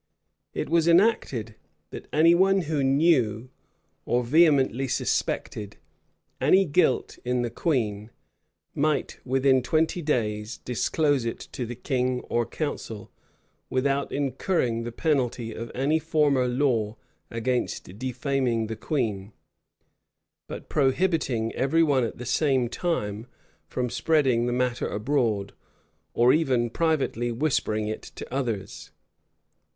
It was enacted, that any one who knew, or vehemently suspected, any guilt in the queen, might, within twenty days, disclose it to the king or council, without incurring the penalty of any former law against defaming the queen; but prohibiting every one at the same time, from spreading the matter abroad, or even privately whispering it to others.